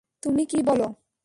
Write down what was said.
তুমি কী বল?